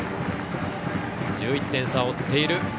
１１点差を追っている